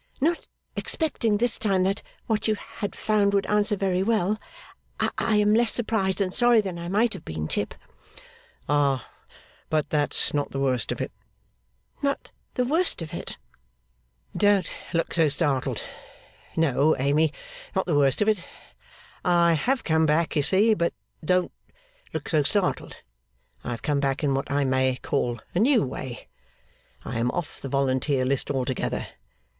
'Not expecting this time that what you had found would answer very well, I am less surprised and sorry than I might have been, Tip.' 'Ah! But that's not the worst of it.' 'Not the worst of it?' 'Don't look so startled. No, Amy, not the worst of it. I have come back, you see; but don't look so startled I have come back in what I may call a new way. I am off the volunteer list altogether.